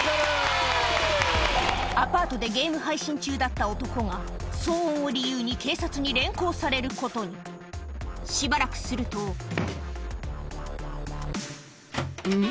アパートでゲーム配信中だった男が騒音を理由に警察に連行されることにしばらくするとうん？